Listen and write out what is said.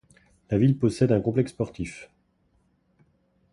La ville possède un complexe sportif.